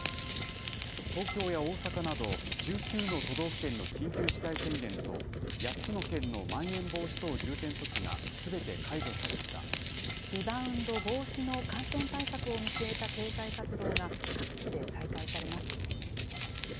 東京や大阪など、１９の都道府県の緊急事態宣言と８つの県のまん延防止等重点措置リバウンド防止の感染対策を見据えた経済活動が各地で再開されます。